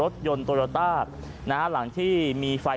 สวัสดีครับ